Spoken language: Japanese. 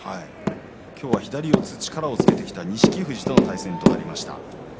今日は左四つ力をつけてきた錦富士との対戦となりました。